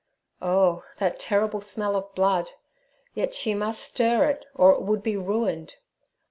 Oh, that terrible smell of blood! Yet she must stir it, or it would be ruined.